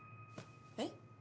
えっ？